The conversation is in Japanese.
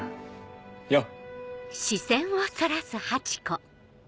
よっ！